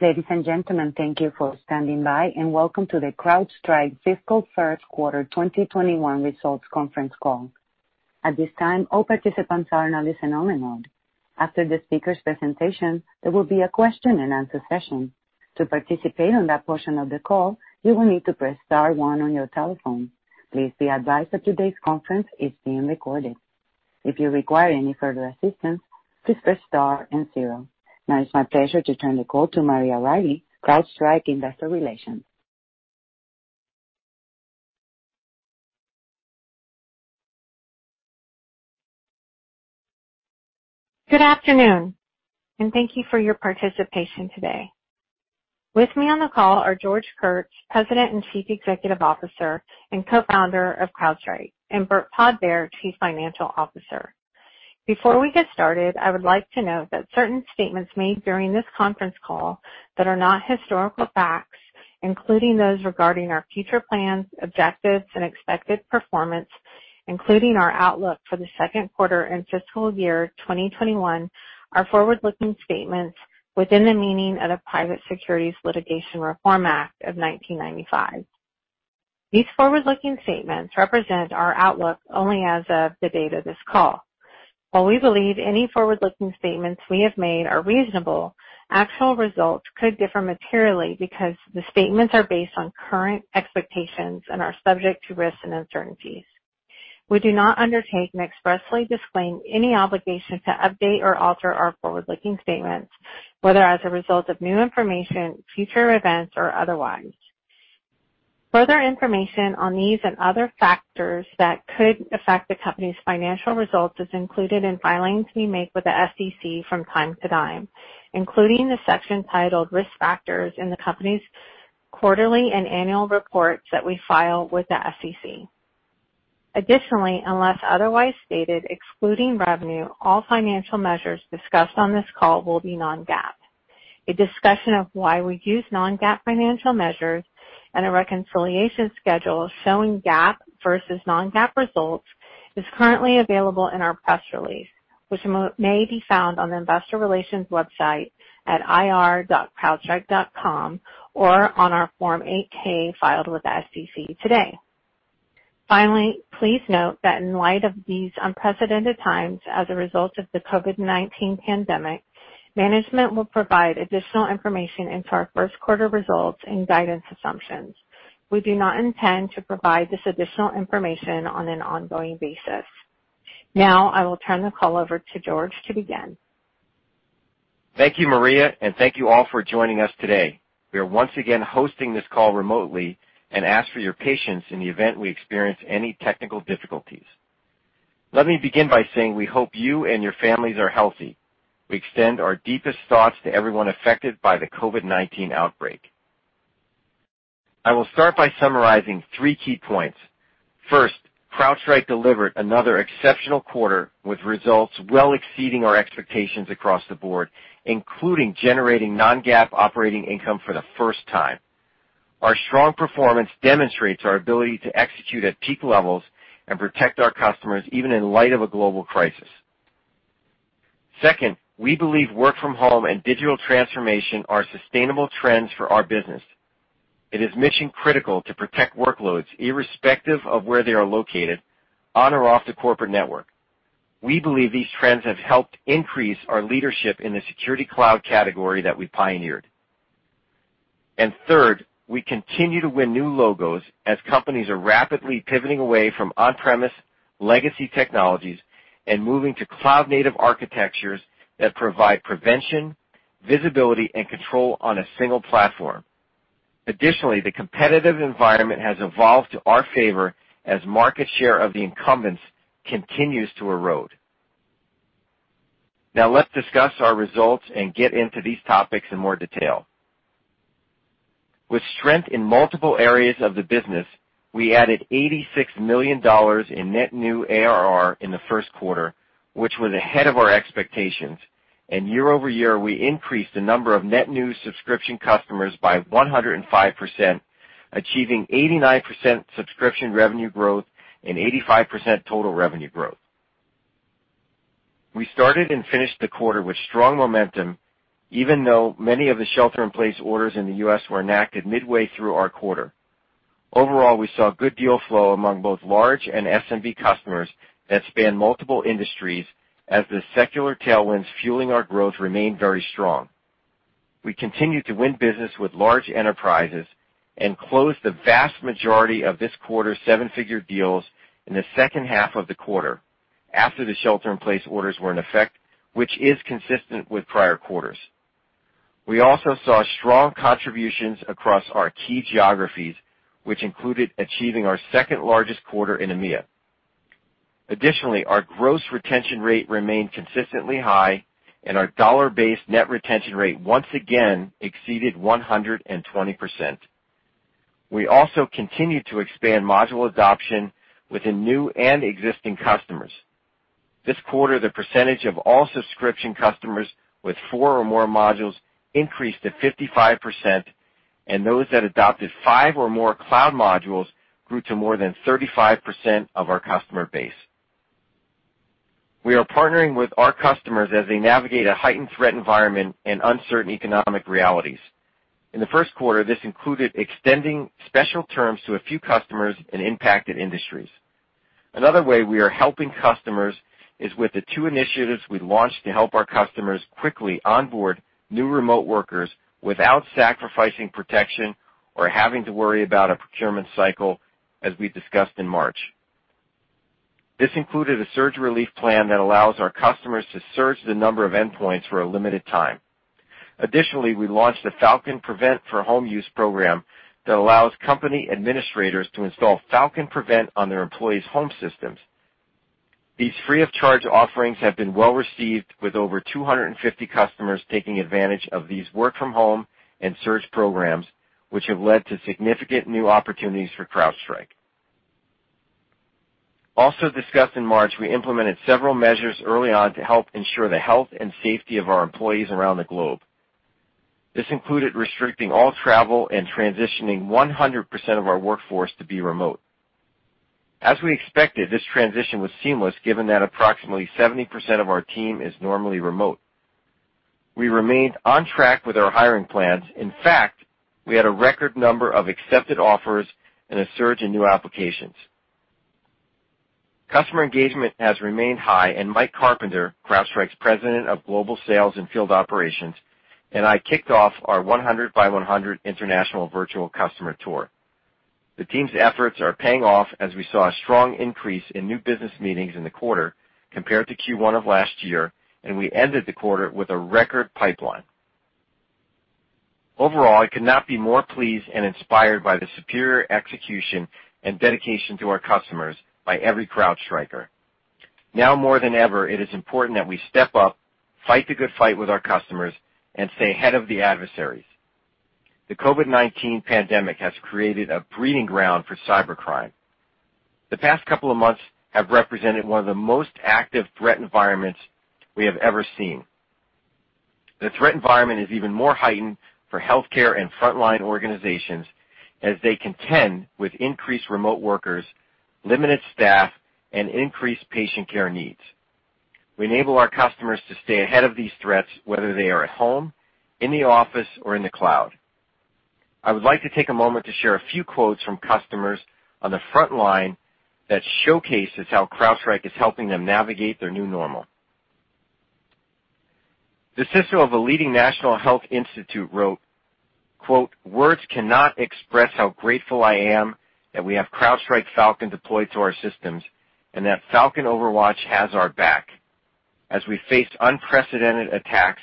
Ladies and gentlemen, thank you for standing by, and welcome to the CrowdStrike fiscal first quarter 2021 results conference call. At this time, all participants are in a listen-only mode. After the speakers' presentation, there will be a question-and-answer session. To participate in that portion of the call, you will need to press star one on your telephone. Please be advised that today's conference is being recorded. If you require any further assistance, please press star and zero. It's my pleasure to turn the call to Maria Riley, CrowdStrike Investor Relations. Good afternoon, thank you for your participation today. With me on the call are George Kurtz, President and Chief Executive Officer and Co-founder of CrowdStrike, and Burt Podbere, Chief Financial Officer. Before we get started, I would like to note that certain statements made during this conference call that are not historical facts, including those regarding our future plans, objectives, and expected performance, including our outlook for the second quarter and fiscal year 2021, are forward-looking statements within the meaning of the Private Securities Litigation Reform Act of 1995. These forward-looking statements represent our outlook only as of the date of this call. While we believe any forward-looking statements we have made are reasonable, actual results could differ materially because the statements are based on current expectations and are subject to risks and uncertainties. We do not undertake and expressly disclaim any obligation to update or alter our forward-looking statements, whether as a result of new information, future events, or otherwise. Further information on these and other factors that could affect the company's financial results is included in filings we make with the SEC from time to time, including the section titled Risk Factors in the company's quarterly and annual reports that we file with the SEC. Unless otherwise stated, excluding revenue, all financial measures discussed on this call will be non-GAAP. A discussion of why we use non-GAAP financial measures and a reconciliation schedule showing GAAP versus non-GAAP results is currently available in our press release, which may be found on the investor relations website at ir.crowdstrike.com or on our Form 8-K filed with the SEC today. Finally, please note that in light of these unprecedented times as a result of the COVID-19 pandemic, management will provide additional information into our first quarter results and guidance assumptions. We do not intend to provide this additional information on an ongoing basis. Now, I will turn the call over to George to begin. Thank you, Maria, and thank you all for joining us today. We are once again hosting this call remotely and ask for your patience in the event we experience any technical difficulties. Let me begin by saying we hope you and your families are healthy. We extend our deepest thoughts to everyone affected by the COVID-19 outbreak. I will start by summarizing three key points. First, CrowdStrike delivered another exceptional quarter with results well exceeding our expectations across the board, including generating non-GAAP operating income for the first time. Our strong performance demonstrates our ability to execute at peak levels and protect our customers, even in light of a global crisis. Second, we believe work from home and digital transformation are sustainable trends for our business. It is mission-critical to protect workloads irrespective of where they are located on or off the corporate network. We believe these trends have helped increase our leadership in the Security Cloud category that we pioneered. Third, we continue to win new logos as companies are rapidly pivoting away from on-premise legacy technologies and moving to cloud-native architectures that provide prevention, visibility, and control on a single platform. Additionally, the competitive environment has evolved to our favor as market share of the incumbents continues to erode. Let's discuss our results and get into these topics in more detail. With strength in multiple areas of the business, we added $86 million in net new ARR in the first quarter, which was ahead of our expectations, and year-over-year, we increased the number of net new subscription customers by 105%, achieving 89% subscription revenue growth and 85% total revenue growth. We started and finished the quarter with strong momentum, even though many of the shelter-in-place orders in the U.S. were enacted midway through our quarter. Overall, we saw good deal flow among both large and SMB customers that span multiple industries as the secular tailwinds fueling our growth remained very strong. We continued to win business with large enterprises and closed the vast majority of this quarter's seven-figure deals in the second half of the quarter after the shelter-in-place orders were in effect, which is consistent with prior quarters. We also saw strong contributions across our key geographies, which included achieving our second-largest quarter in EMEA. Additionally, our gross retention rate remained consistently high, and our dollar-based net retention rate once again exceeded 120%. We also continued to expand module adoption within new and existing customers. This quarter, the percentage of all subscription customers with four or more modules increased to 55%, and those that adopted five or more cloud modules grew to more than 35% of our customer base. We are partnering with our customers as they navigate a heightened threat environment and uncertain economic realities. In the first quarter, this included extending special terms to a few customers in impacted industries. Another way we are helping customers is with the two initiatives we launched to help our customers quickly onboard new remote workers without sacrificing protection or having to worry about a procurement cycle, as we discussed in March. This included a surge relief plan that allows our customers to surge the number of endpoints for a limited time. Additionally, we launched the Falcon Prevent for Home Use program that allows company administrators to install Falcon Prevent on their employees' home systems. These free-of-charge offerings have been well-received, with over 250 customers taking advantage of these work-from-home and surge programs, which have led to significant new opportunities for CrowdStrike. Also discussed in March, we implemented several measures early on to help ensure the health and safety of our employees around the globe. This included restricting all travel and transitioning 100% of our workforce to be remote. As we expected, this transition was seamless given that approximately 70% of our team is normally remote. We remained on track with our hiring plans. In fact, we had a record number of accepted offers and a surge in new applications. Customer engagement has remained high, and Mike Carpenter, CrowdStrike's President of Global Sales and Field Operations, and I kicked off our 100 by 100 international virtual customer tour. The team's efforts are paying off as we saw a strong increase in new business meetings in the quarter compared to Q1 of last year, and we ended the quarter with a record pipeline. Overall, I could not be more pleased and inspired by the superior execution and dedication to our customers by every CrowdStriker. Now more than ever, it is important that we step up, fight the good fight with our customers, and stay ahead of the adversaries. The COVID-19 pandemic has created a breeding ground for cybercrime. The past couple of months have represented one of the most active threat environments we have ever seen. The threat environment is even more heightened for healthcare and frontline organizations as they contend with increased remote workers, limited staff, and increased patient care needs. We enable our customers to stay ahead of these threats, whether they are at home, in the office, or in the cloud. I would like to take a moment to share a few quotes from customers on the front line that showcases how CrowdStrike is helping them navigate their new normal. The CISO of a leading national health institute wrote, quote, "Words cannot express how grateful I am that we have CrowdStrike Falcon deployed to our systems and that Falcon OverWatch has our back. As we face unprecedented attacks,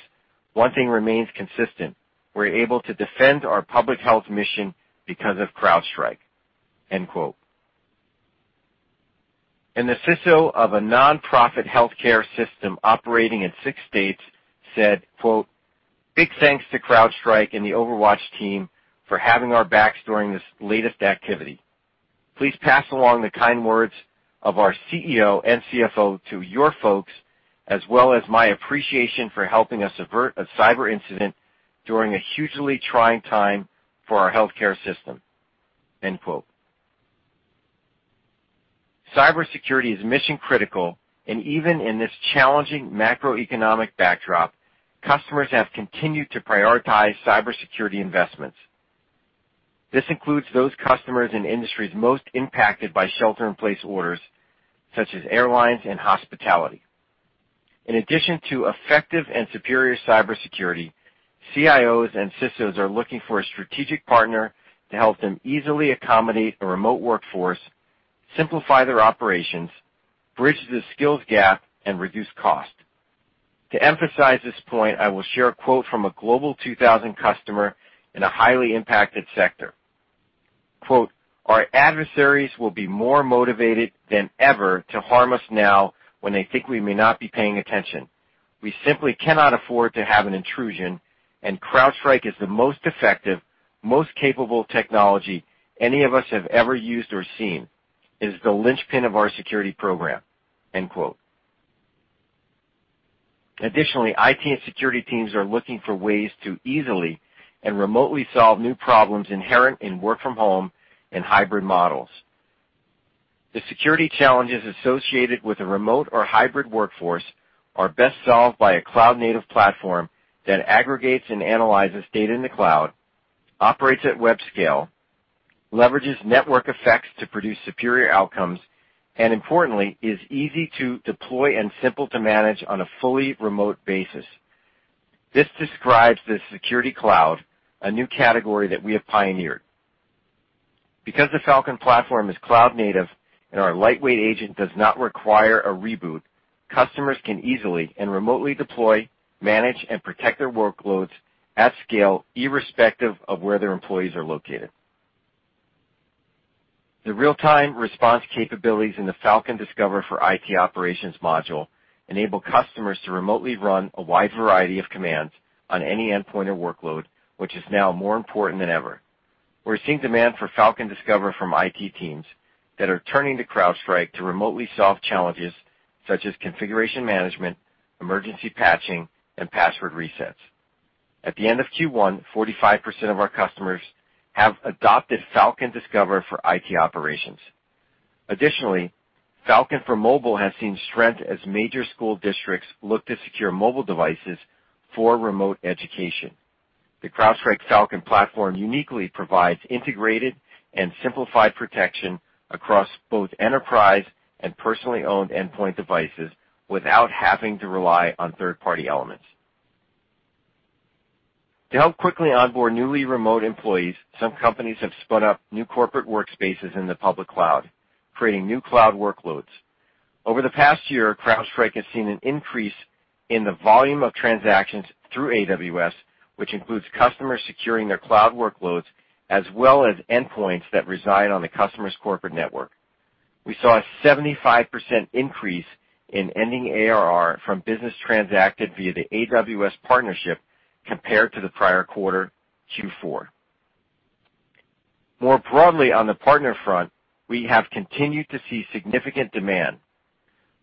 one thing remains consistent: We're able to defend our public health mission because of CrowdStrike." End quote. The CISO of a non-profit healthcare system operating in six states said, quote, "Big thanks to CrowdStrike and the OverWatch team for having our backs during this latest activity. Please pass along the kind words of our CEO and CFO to your folks, as well as my appreciation for helping us avert a cyber incident during a hugely trying time for our healthcare system." End quote. Cybersecurity is mission-critical, and even in this challenging macroeconomic backdrop, customers have continued to prioritize cybersecurity investments. This includes those customers in industries most impacted by shelter-in-place orders, such as airlines and hospitality. In addition to effective and superior cybersecurity, CIOs and CISOs are looking for a strategic partner to help them easily accommodate a remote workforce, simplify their operations, bridge the skills gap, and reduce cost. To emphasize this point, I will share a quote from a Global 2000 customer in a highly impacted sector. Quote, "Our adversaries will be more motivated than ever to harm us now when they think we may not be paying attention. We simply cannot afford to have an intrusion, and CrowdStrike is the most effective, most capable technology any of us have ever used or seen. It is the linchpin of our security program." End quote. Additionally, IT and security teams are looking for ways to easily and remotely solve new problems inherent in work-from-home and hybrid models. The security challenges associated with a remote or hybrid workforce are best solved by a cloud-native platform that aggregates and analyzes data in the cloud, operates at web scale, leverages network effects to produce superior outcomes, and importantly, is easy to deploy and simple to manage on a fully remote basis. This describes the Security Cloud, a new category that we have pioneered. Because the Falcon platform is cloud-native and our lightweight agent does not require a reboot, customers can easily and remotely deploy, manage, and protect their workloads at scale, irrespective of where their employees are located. The real-time response capabilities in the Falcon Discover for IT Operations module enable customers to remotely run a wide variety of commands on any endpoint or workload, which is now more important than ever. We're seeing demand for Falcon Discover from IT teams that are turning to CrowdStrike to remotely solve challenges such as configuration management, emergency patching, and password resets. At the end of Q1, 45% of our customers have adopted Falcon Discover for IT Operations. Additionally, Falcon for Mobile has seen strength as major school districts look to secure mobile devices for remote education. The CrowdStrike Falcon platform uniquely provides integrated and simplified protection across both enterprise and personally owned endpoint devices without having to rely on third-party elements. To help quickly onboard newly remote employees, some companies have spun up new corporate workspaces in the public cloud, creating new cloud workloads. Over the past year, CrowdStrike has seen an increase in the volume of transactions through AWS, which includes customers securing their cloud workloads as well as endpoints that reside on the customer's corporate network. We saw a 75% increase in ending ARR from business transacted via the AWS partnership compared to the prior quarter, Q4. More broadly on the partner front, we have continued to see significant demand.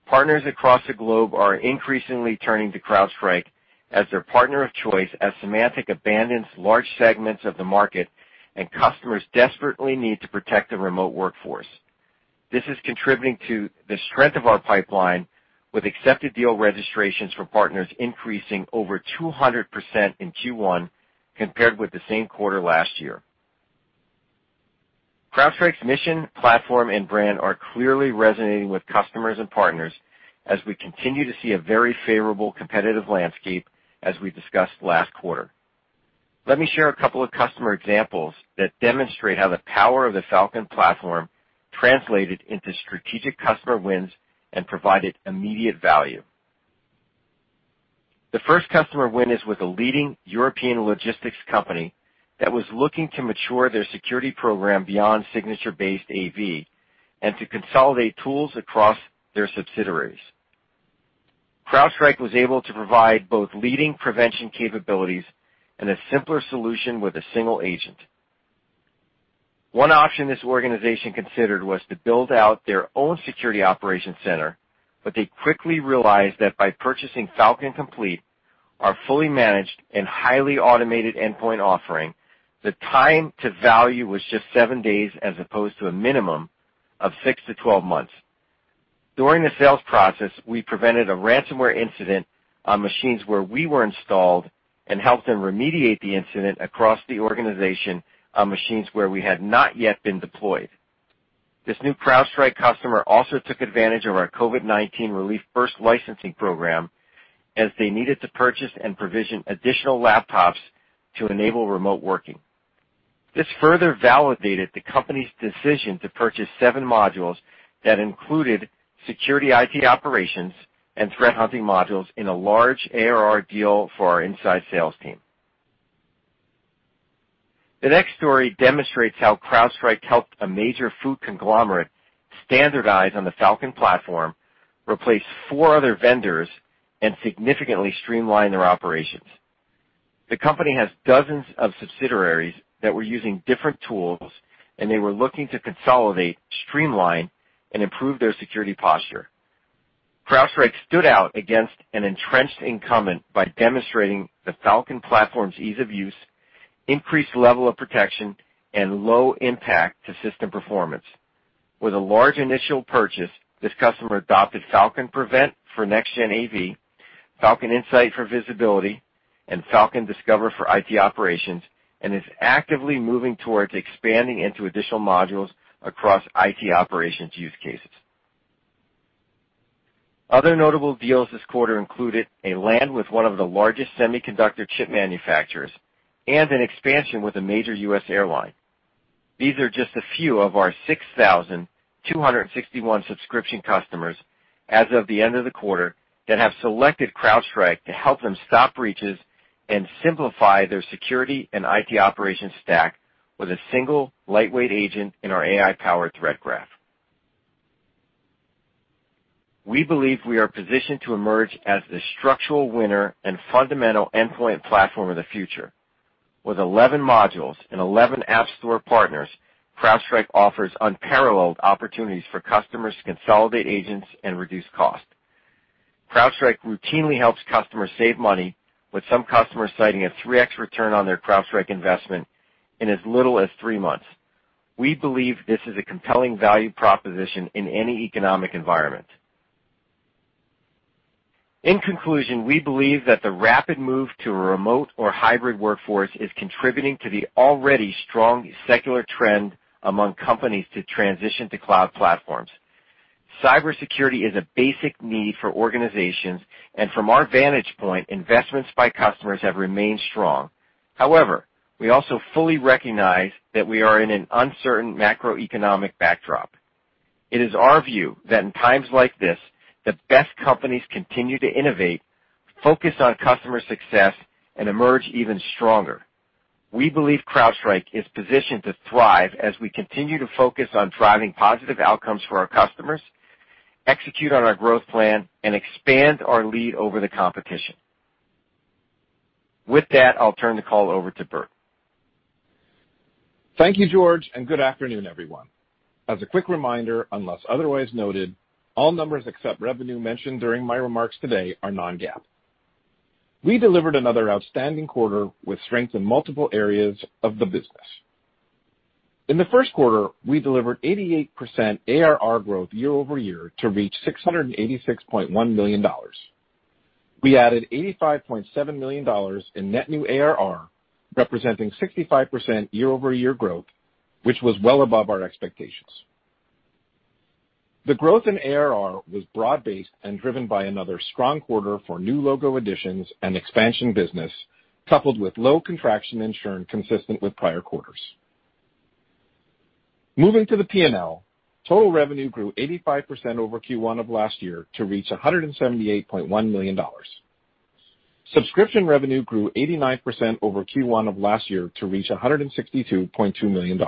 Partners across the globe are increasingly turning to CrowdStrike as their partner of choice as Symantec abandons large segments of the market and customers desperately need to protect their remote workforce. This is contributing to the strength of our pipeline with accepted deal registrations for partners increasing over 200% in Q1 compared with the same quarter last year. CrowdStrike's mission, platform, and brand are clearly resonating with customers and partners as we continue to see a very favorable competitive landscape, as we discussed last quarter. Let me share a couple of customer examples that demonstrate how the power of the Falcon platform translated into strategic customer wins and provided immediate value. The first customer win is with a leading European logistics company that was looking to mature their security program beyond signature-based AV and to consolidate tools across their subsidiaries. CrowdStrike was able to provide both leading prevention capabilities and a simpler solution with a single agent. One option this organization considered was to build out their own security operation center, but they quickly realized that by purchasing Falcon Complete, our fully managed and highly automated endpoint offering, the time to value was just seven days as opposed to a minimum of 6-12 months. During the sales process, we prevented a ransomware incident on machines where we were installed and helped them remediate the incident across the organization on machines where we had not yet been deployed. This new CrowdStrike customer also took advantage of our COVID-19 relief Burst Licensing program as they needed to purchase and provision additional laptops to enable remote working. This further validated the company's decision to purchase seven modules that included security IT operations and threat hunting modules in a large ARR deal for our inside sales team. The next story demonstrates how CrowdStrike helped a major food conglomerate standardize on the Falcon platform, replace four other vendors, and significantly streamline their operations. The company has dozens of subsidiaries that were using different tools, and they were looking to consolidate, streamline, and improve their security posture. CrowdStrike stood out against an entrenched incumbent by demonstrating the Falcon platform's ease of use, increased level of protection, and low impact to system performance. With a large initial purchase, this customer adopted Falcon Prevent for next-gen AV, Falcon Insight for visibility, and Falcon Discover for IT Operations, and is actively moving towards expanding into additional modules across IT operations use cases. Other notable deals this quarter included a land with one of the largest semiconductor chip manufacturers and an expansion with a major U.S. airline. These are just a few of our 6,261 subscription customers as of the end of the quarter that have selected CrowdStrike to help them stop breaches and simplify their security and IT operations stack with a single lightweight agent in our AI-powered Threat Graph. We believe we are positioned to emerge as the structural winner and fundamental endpoint platform of the future. With 11 modules and 11 app store partners, CrowdStrike offers unparalleled opportunities for customers to consolidate agents and reduce cost. CrowdStrike routinely helps customers save money, with some customers citing a 3x return on their CrowdStrike investment in as little as three months. We believe this is a compelling value proposition in any economic environment. In conclusion, we believe that the rapid move to a remote or hybrid workforce is contributing to the already strong secular trend among companies to transition to cloud platforms. Cybersecurity is a basic need for organizations, and from our vantage point, investments by customers have remained strong. However, we also fully recognize that we are in an uncertain macroeconomic backdrop. It is our view that in times like this, the best companies continue to innovate, focus on customer success, and emerge even stronger. We believe CrowdStrike is positioned to thrive as we continue to focus on driving positive outcomes for our customers, execute on our growth plan, and expand our lead over the competition. With that, I'll turn the call over to Burt. Thank you, George, and good afternoon everyone. As a quick reminder, unless otherwise noted, all numbers except revenue mentioned during my remarks today are non-GAAP. We delivered another outstanding quarter with strength in multiple areas of the business. In the first quarter, we delivered 88% ARR growth year-over-year to reach $686.1 million. We added $85.7 million in net new ARR, representing 65% year-over-year growth, which was well above our expectations. The growth in ARR was broad-based and driven by another strong quarter for new logo additions and expansion business, coupled with low contraction in churn consistent with prior quarters. Moving to the P&L, total revenue grew 85% over Q1 of last year to reach $178.1 million. Subscription revenue grew 89% over Q1 of last year to reach $162.2 million.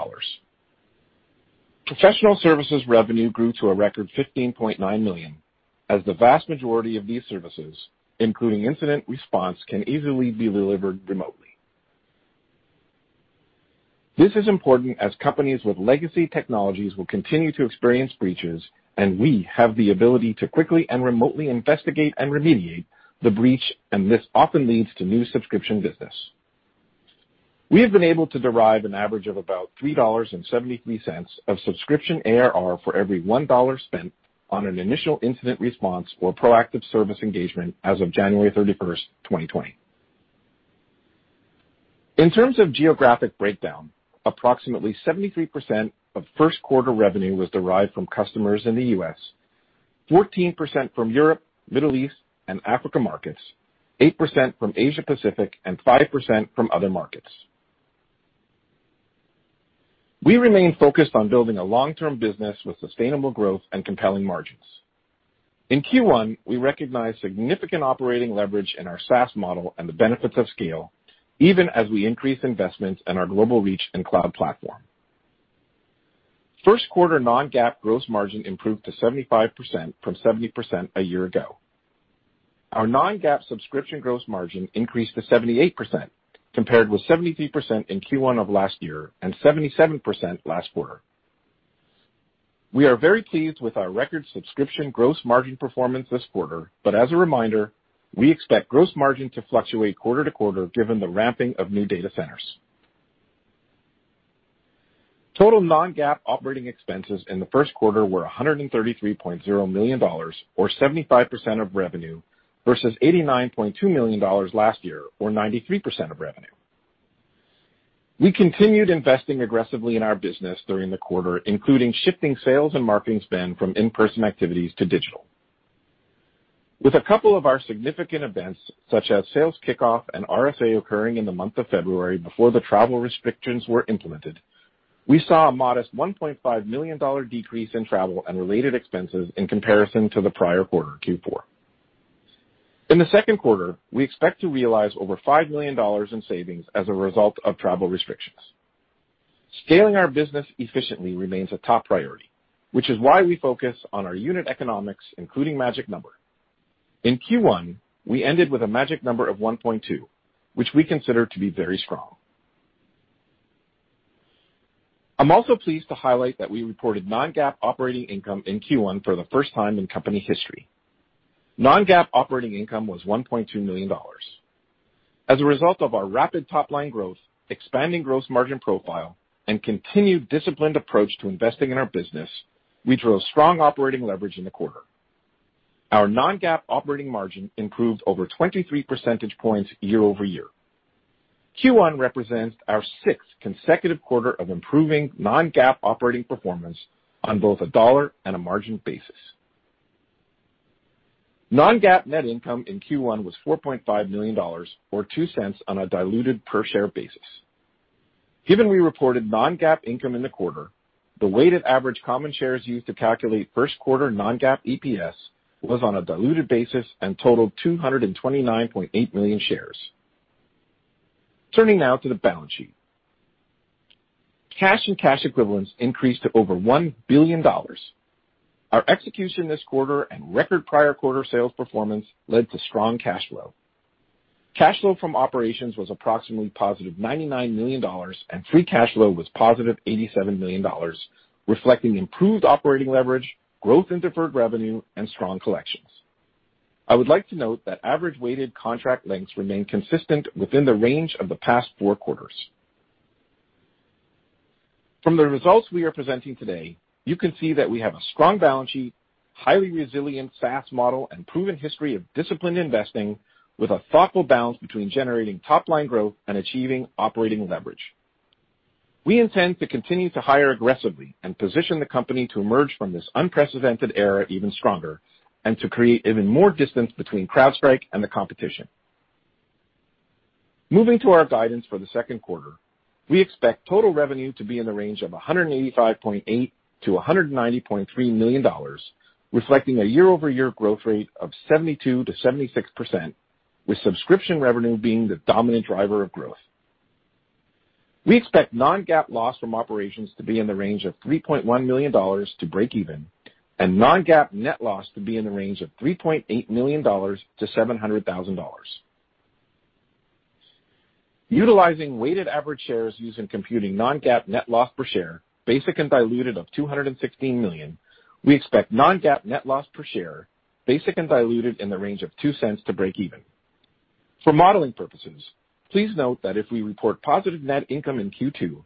Professional services revenue grew to a record $15.9 million, as the vast majority of these services, including incident response, can easily be delivered remotely. This is important as companies with legacy technologies will continue to experience breaches. We have the ability to quickly and remotely investigate and remediate the breach. This often leads to new subscription business. We have been able to derive an average of about $3.73 of subscription ARR for every $1 spent on an initial incident response or proactive service engagement as of January 31st, 2020. In terms of geographic breakdown, approximately 73% of first quarter revenue was derived from customers in the U.S., 14% from Europe, Middle East, and Africa markets, 8% from Asia-Pacific, and 5% from other markets. We remain focused on building a long-term business with sustainable growth and compelling margins. In Q1, we recognized significant operating leverage in our SaaS model and the benefits of scale, even as we increase investments in our global reach and cloud platform. First quarter non-GAAP gross margin improved to 75% from 70% a year ago. Our non-GAAP subscription gross margin increased to 78%, compared with 73% in Q1 of last year and 77% last quarter. We are very pleased with our record subscription gross margin performance this quarter, but as a reminder, we expect gross margin to fluctuate quarter to quarter given the ramping of new data centers. Total non-GAAP operating expenses in the first quarter were $133.0 million, or 75% of revenue, versus $89.2 million last year, or 93% of revenue. We continued investing aggressively in our business during the quarter, including shifting sales and marketing spend from in-person activities to digital. With a couple of our significant events, such as sales kickoff and RSA occurring in the month of February before the travel restrictions were implemented, we saw a modest $1.5 million decrease in travel and related expenses in comparison to the prior quarter, Q4. In the second quarter, we expect to realize over $5 million in savings as a result of travel restrictions. Scaling our business efficiently remains a top priority, which is why we focus on our unit economics, including Magic Number. In Q1, we ended with a Magic Number of 1.2, which we consider to be very strong. I'm also pleased to highlight that we reported non-GAAP operating income in Q1 for the first time in company history. Non-GAAP operating income was $1.2 million. As a result of our rapid top-line growth, expanding gross margin profile, and continued disciplined approach to investing in our business, we drove strong operating leverage in the quarter. Our non-GAAP operating margin improved over 23 percentage points year-over-year. Q1 represents our sixth consecutive quarter of improving non-GAAP operating performance on both a dollar and a margin basis. Non-GAAP net income in Q1 was $4.5 million, or $0.02 on a diluted per-share basis. Given we reported non-GAAP income in the quarter, the weighted average common shares used to calculate first quarter non-GAAP EPS was on a diluted basis and totaled 229.8 million shares. Turning now to the balance sheet. Cash and cash equivalents increased to over $1 billion. Our execution this quarter and record prior-quarter sales performance led to strong cash flow. Cash flow from operations was approximately +$99 million, and free cash flow was +$87 million, reflecting improved operating leverage, growth in deferred revenue, and strong collections. I would like to note that average weighted contract lengths remain consistent within the range of the past four quarters. From the results we are presenting today, you can see that we have a strong balance sheet, highly resilient SaaS model, and proven history of disciplined investing with a thoughtful balance between generating top-line growth and achieving operating leverage. We intend to continue to hire aggressively and position the company to emerge from this unprecedented era even stronger and to create even more distance between CrowdStrike and the competition. Moving to our guidance for the second quarter, we expect total revenue to be in the range of $185.8 million-$190.3 million, reflecting a year-over-year growth rate of 72%-76%, with subscription revenue being the dominant driver of growth. We expect non-GAAP loss from operations to be in the range of $3.1 million to break even, and non-GAAP net loss to be in the range of $3.8 million-$700,000. Utilizing weighted average shares used in computing non-GAAP net loss per share, basic and diluted of 216 million, we expect non-GAAP net loss per share, basic and diluted in the range of $0.02 to breakeven. For modeling purposes, please note that if we report positive net income in Q2,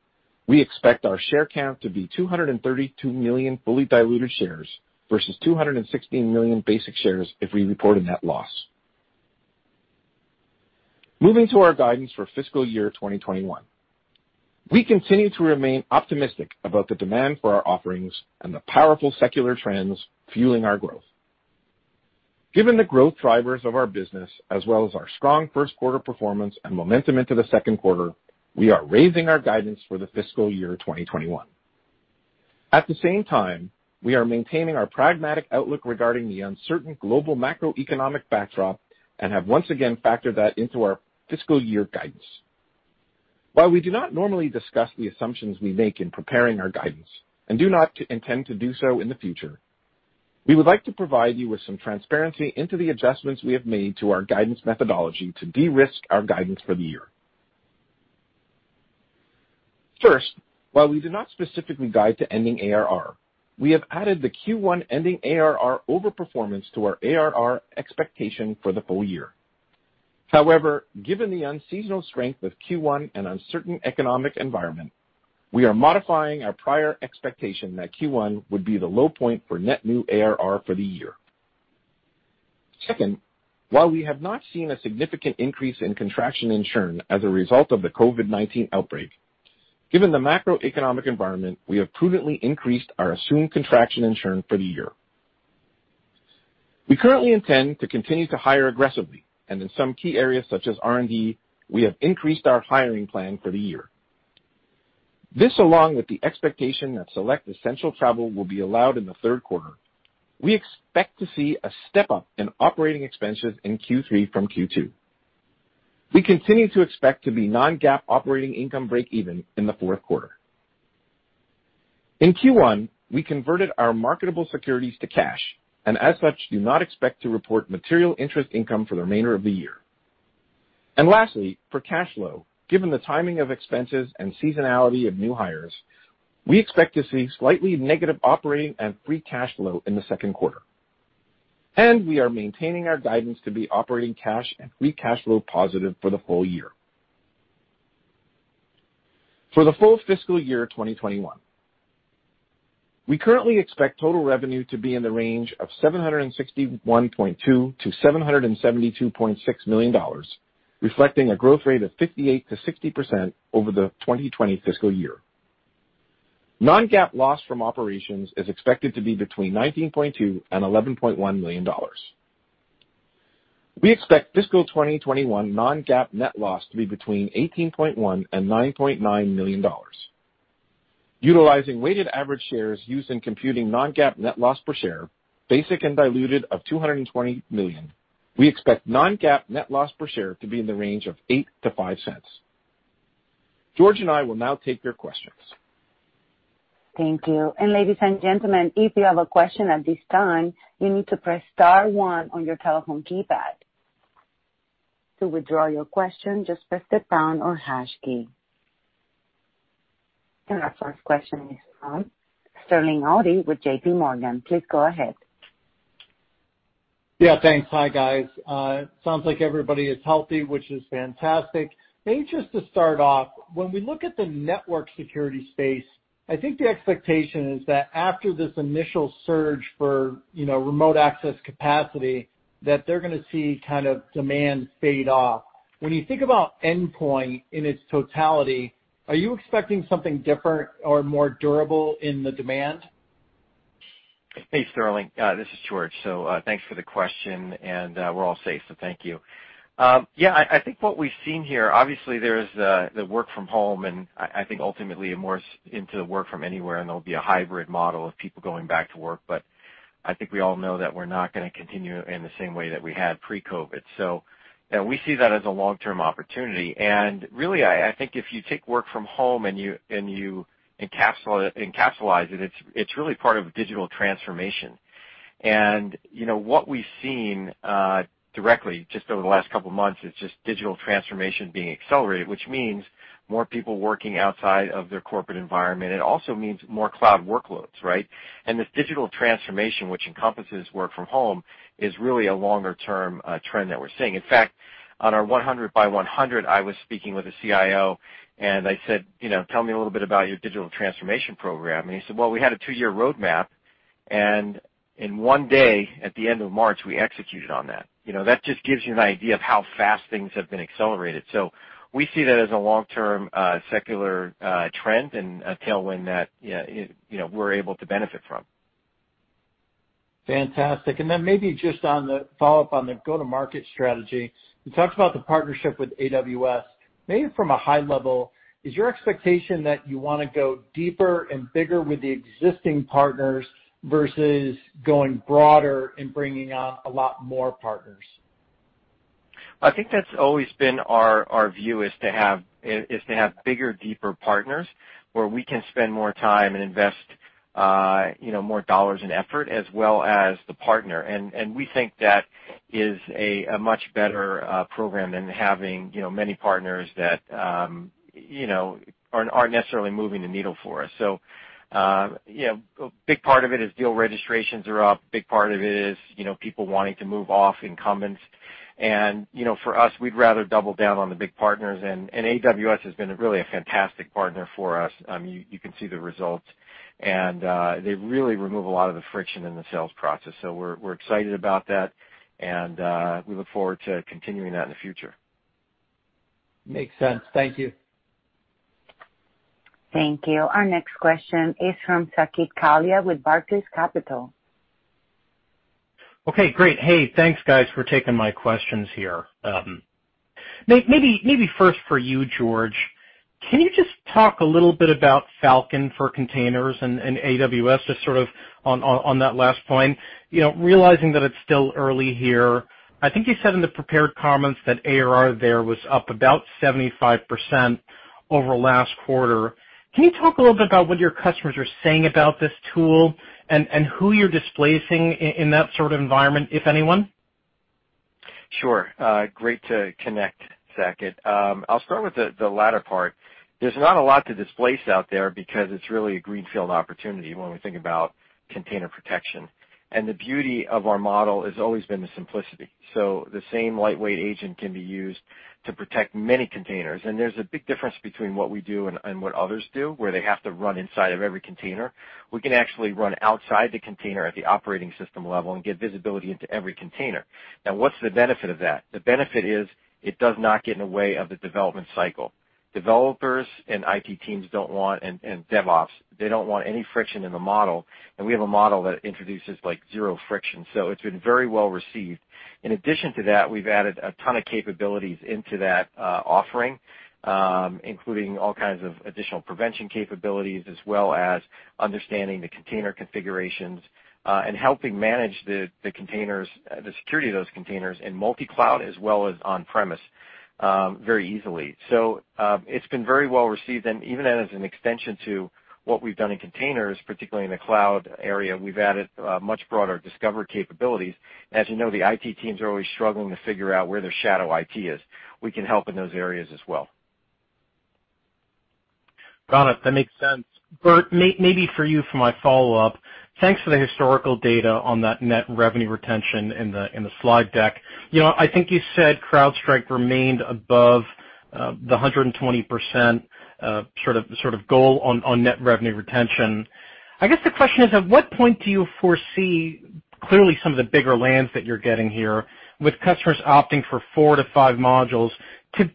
we expect our share count to be 232 million fully diluted shares versus 216 million basic shares if we report a net loss. Moving to our guidance for fiscal year 2021. We continue to remain optimistic about the demand for our offerings and the powerful secular trends fueling our growth. Given the growth drivers of our business, as well as our strong first quarter performance and momentum into the second quarter, we are raising our guidance for the fiscal year 2021. At the same time, we are maintaining our pragmatic outlook regarding the uncertain global macroeconomic backdrop and have once again factored that into our fiscal year guidance. While we do not normally discuss the assumptions we make in preparing our guidance, and do not intend to do so in the future, we would like to provide you with some transparency into the adjustments we have made to our guidance methodology to de-risk our guidance for the year. First, while we do not specifically guide to ending ARR, we have added the Q1 ending ARR over performance to our ARR expectation for the full year. Given the unseasonal strength of Q1 and uncertain economic environment, we are modifying our prior expectation that Q1 would be the low point for net new ARR for the year. Second, while we have not seen a significant increase in contraction in churn as a result of the COVID-19 outbreak, given the macroeconomic environment, we have prudently increased our assumed contraction in churn for the year. We currently intend to continue to hire aggressively, and in some key areas such as R&D, we have increased our hiring plan for the year. This, along with the expectation that select essential travel will be allowed in the third quarter, we expect to see a step-up in operating expenses in Q3 from Q2. We continue to expect to be non-GAAP operating income break-even in the fourth quarter. In Q1, we converted our marketable securities to cash, as such, do not expect to report material interest income for the remainder of the year. Lastly, for cash flow, given the timing of expenses and seasonality of new hires, we expect to see slightly negative operating and free cash flow in the second quarter. We are maintaining our guidance to be operating cash and free cash flow positive for the whole year. For the full fiscal year 2021, we currently expect total revenue to be in the range of $761.2 million-$772.6 million, reflecting a growth rate of 58%-60% over the 2020 fiscal year. Non-GAAP loss from operations is expected to be between $19.2 million and $11.1 million. We expect fiscal 2021 non-GAAP net loss to be between $18.1 million and $9.9 million. Utilizing weighted average shares used in computing non-GAAP net loss per share, basic and diluted of 220 million, we expect non-GAAP net loss per share to be in the range of $0.08-$0.05. George and I will now take your questions. Thank you. Ladies and gentlemen, if you have a question at this time, you need to press star one on your telephone keypad. To withdraw your question, just press the pound or hash key. Our first question is from Sterling Auty with JPMorgan. Please go ahead. Yeah, thanks. Hi, guys. Sounds like everybody is healthy, which is fantastic. Maybe just to start off, when we look at the network security space, I think the expectation is that after this initial surge for remote access capacity, that they're gonna see demand fade off. When you think about endpoint in its totality, are you expecting something different or more durable in the demand? Thanks, Sterling. This is George. Thanks for the question, and we're all safe, thank you. Yeah, I think what we've seen here, obviously there's the work from home and I think ultimately it morphs into work from anywhere, and there'll be a hybrid model of people going back to work. I think we all know that we're not going to continue in the same way that we had pre-COVID-19. Yeah, we see that as a long-term opportunity. Really, I think if you take work from home and you encapsulate it's really part of digital transformation. What we've seen directly just over the last couple of months is just digital transformation being accelerated, which means more people working outside of their corporate environment. It also means more cloud workloads, right? This digital transformation, which encompasses work from home, is really a longer-term trend that we're seeing. In fact, on our 100 by 100, I was speaking with a CIO, I said, "Tell me a little bit about your digital transformation program." He said, "Well, we had a two-year roadmap, and in one day, at the end of March, we executed on that." That just gives you an idea of how fast things have been accelerated. We see that as a long-term secular trend and a tailwind that we're able to benefit from. Fantastic. Then maybe just on the follow-up on the go-to-market strategy, you talked about the partnership with AWS. Maybe from a high level, is your expectation that you want to go deeper and bigger with the existing partners versus going broader and bringing on a lot more partners? I think that's always been our view, is to have bigger, deeper partners where we can spend more time and invest more dollars and effort, as well as the partner. We think that is a much better program than having many partners that aren't necessarily moving the needle for us. A big part of it is deal registrations are up. A big part of it is people wanting to move off incumbents. For us, we'd rather double down on the big partners, and AWS has been really a fantastic partner for us. You can see the results, and they really remove a lot of the friction in the sales process. We're excited about that, and we look forward to continuing that in the future. Makes sense. Thank you. Thank you. Our next question is from Saket Kalia with Barclays Capital. Okay, great. Hey, thanks, guys, for taking my questions here. Maybe first for you, George, can you just talk a little bit about Falcon for Containers and AWS, just sort of on that last point? Realizing that it's still early here, I think you said in the prepared comments that ARR there was up about 75% over last quarter. Can you talk a little bit about what your customers are saying about this tool, and who you're displacing in that sort of environment, if anyone? Sure. Great to connect, Saket. I'll start with the latter part. There's not a lot to displace out there because it's really a greenfield opportunity when we think about container protection. The beauty of our model has always been the simplicity. The same lightweight agent can be used to protect many containers, and there's a big difference between what we do and what others do, where they have to run inside of every container. We can actually run outside the container at the operating system level and get visibility into every container. What's the benefit of that? The benefit is it does not get in the way of the development cycle. Developers and IT teams and DevOps, they don't want any friction in the model, and we have a model that introduces zero friction. It's been very well received. In addition to that, we've added a ton of capabilities into that offering, including all kinds of additional prevention capabilities, as well as understanding the container configurations, and helping manage the security of those containers in multi-cloud as well as on-premise very easily. It's been very well received, and even as an extension to what we've done in containers, particularly in the cloud area, we've added much broader discover capabilities. As you know, the IT teams are always struggling to figure out where their shadow IT is. We can help in those areas as well. Got it. That makes sense. Burt, maybe for you for my follow-up. Thanks for the historical data on that net revenue retention in the slide deck. I think you said CrowdStrike remained above the 120% sort of goal on net revenue retention. I guess the question is, at what point do you foresee, clearly some of the bigger lands that you're getting here, with customers opting for four to five modules, to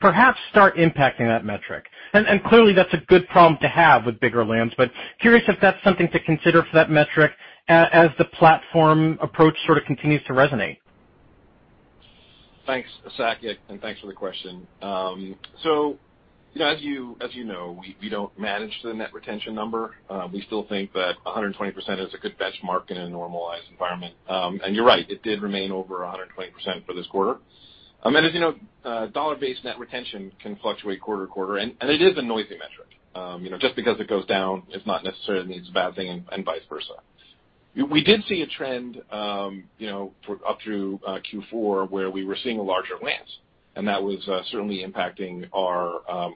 perhaps start impacting that metric? Clearly, that's a good problem to have with bigger lands, but curious if that's something to consider for that metric as the platform approach sort of continues to resonate. Thanks, Saket, and thanks for the question. As you know, we don't manage the net retention number. We still think that 120% is a good benchmark in a normalized environment. You're right, it did remain over 120% for this quarter. As you know, dollar-based net retention can fluctuate quarter to quarter, and it is a noisy metric. Just because it goes down, it not necessarily means a bad thing, and vice versa. We did see a trend up through Q4, where we were seeing larger lands, and that was certainly impacting our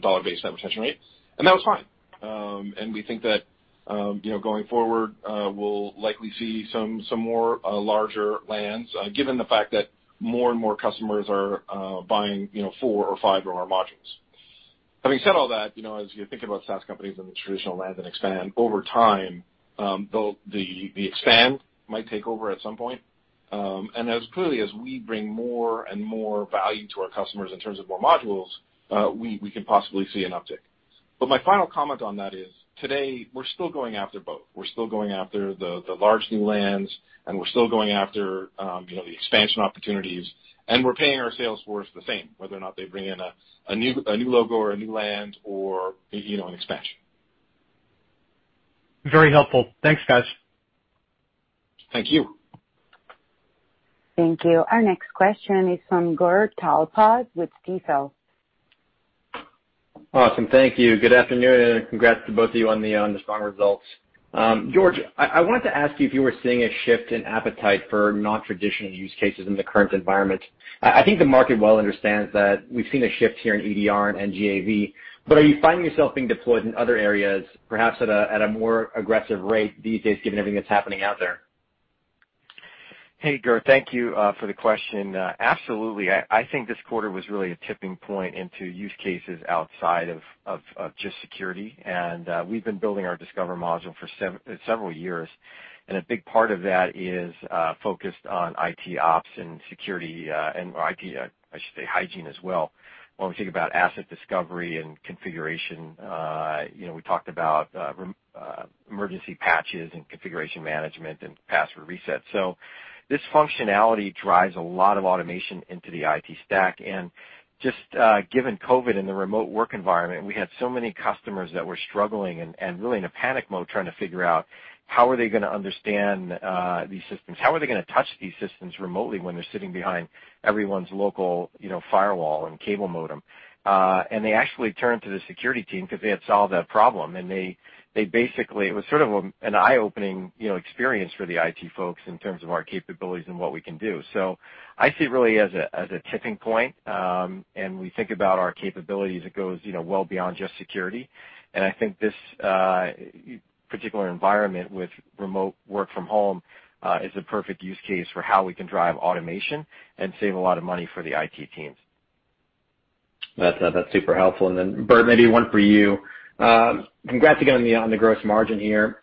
dollar-based net retention rate. That was fine. We think that going forward, we'll likely see some more larger lands, given the fact that more and more customers are buying four or five of our modules. Having said all that, as you think about SaaS companies and the traditional land and expand, over time, the expand might take over at some point. As clearly as we bring more and more value to our customers in terms of more modules, we can possibly see an uptick. My final comment on that is today, we're still going after both. We're still going after the large new lands, and we're still going after the expansion opportunities, and we're paying our sales force the same, whether or not they bring in a new logo or a new land or an expansion. Very helpful. Thanks, guys. Thank you. Thank you. Our next question is from Gur Talpaz with Stifel. Awesome. Thank you. Good afternoon, and congrats to both of you on the strong results. George, I wanted to ask you if you were seeing a shift in appetite for non-traditional use cases in the current environment. I think the market well understands that we've seen a shift here in EDR, NGAV. Are you finding yourself being deployed in other areas, perhaps at a more aggressive rate these days given everything that's happening out there? Hey, Gur. Thank you for the question. Absolutely. I think this quarter was really a tipping point into use cases outside of just security. We've been building our Discover module for several years. A big part of that is focused on IT ops and security, or IT, I should say, hygiene as well. When we think about asset discovery and configuration, we talked about emergency patches and configuration management and password resets. This functionality drives a lot of automation into the IT stack. Just given COVID-19 and the remote work environment, we had so many customers that were struggling and really in a panic mode trying to figure out how are they going to understand these systems? How are they going to touch these systems remotely when they're sitting behind everyone's local firewall and cable modem? They actually turned to the security team because they had solved that problem. It was sort of an eye-opening experience for the IT folks in terms of our capabilities and what we can do. I see it really as a tipping point. We think about our capabilities, it goes well beyond just security. I think this particular environment with remote work from home, is the perfect use case for how we can drive automation and save a lot of money for the IT teams. That's super helpful. Burt, maybe one for you. Congrats again on the gross margin here.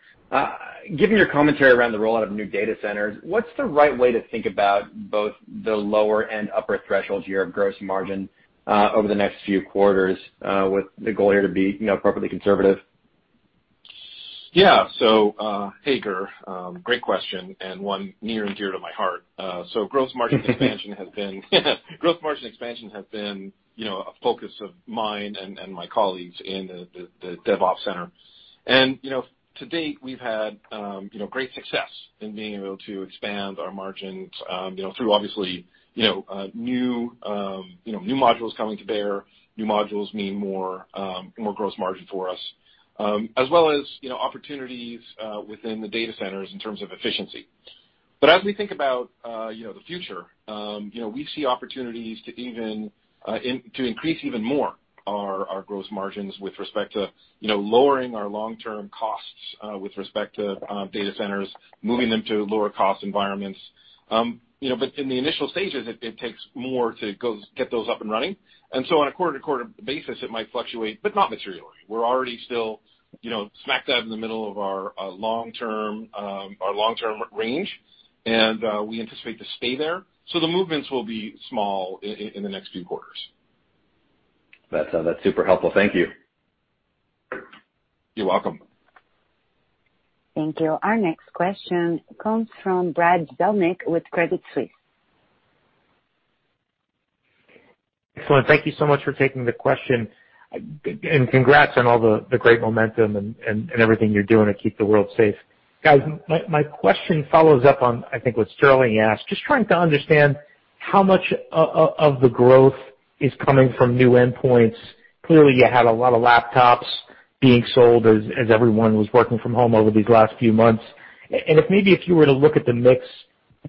Given your commentary around the rollout of new data centers, what's the right way to think about both the lower and upper thresholds here of gross margin, over the next few quarters, with the goal here to be appropriately conservative? Hey, Gur, great question, and one near and dear to my heart. Gross margin expansion has been a focus of mine and my colleagues in the DevOps center. To date, we've had great success in being able to expand our margins, through obviously new modules coming to bear. New modules mean more gross margin for us. As well as opportunities within the data centers in terms of efficiency. As we think about the future, we see opportunities to increase even more our gross margins with respect to lowering our long-term costs with respect to data centers, moving them to lower-cost environments. In the initial stages, it takes more to get those up and running. On a quarter-to-quarter basis, it might fluctuate, but not materially. We're already still smack dab in the middle of our long-term range, and we anticipate to stay there. The movements will be small in the next few quarters. That's super helpful. Thank you. You're welcome. Thank you. Our next question comes from Brad Zelnick with Credit Suisse. Excellent. Thank you so much for taking the question. Congrats on all the great momentum and everything you're doing to keep the world safe. Guys, my question follows up on, I think, what Sterling asked. Just trying to understand how much of the growth is coming from new endpoints. Clearly, you had a lot of laptops being sold as everyone was working from home over these last few months. If maybe if you were to look at the mix